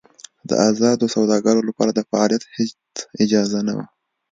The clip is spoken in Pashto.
د ازادو سوداګرو لپاره د فعالیت هېڅ اجازه نه وه.